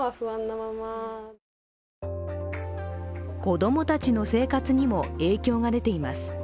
子供たちの生活にも影響が出ています。